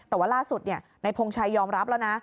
แต่ว่าล่าสุดนายพงชัยยอมรับแล้วนะ